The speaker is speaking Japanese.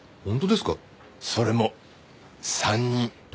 それも３人。